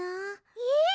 えっ！？